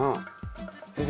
先生